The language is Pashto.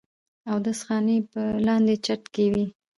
اودس خانې پۀ لاندې چت کښې وې